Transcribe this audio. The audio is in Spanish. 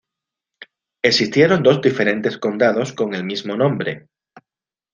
Existieron dos diferentes Condados con el mismo nombre.